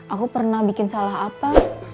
aku pernah bikin salah apa